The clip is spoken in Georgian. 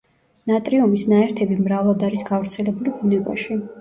ნატრიუმის ნაერთები მრავლად არის გავრცელებული ბუნებაში.